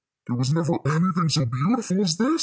"There was never anything so beautiful as this!"